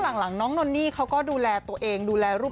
ช่วงหลังน้องนนนี่เขาก็ดูแลตัวเอง